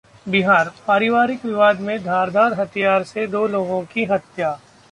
बिहार: पारिवारिक विवाद में धारदार हथियार से दो लोगों की हत्या